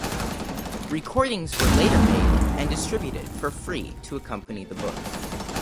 Recordings were later made and distributed for free to accompany the book.